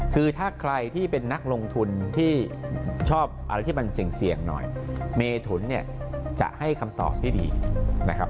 คือถ้าใครที่เป็นนักลงทุนที่ชอบอะไรที่มันเสี่ยงหน่อยเมถุนเนี่ยจะให้คำตอบที่ดีนะครับ